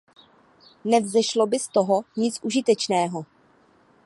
Nevzešlo by z toho nic užitečného.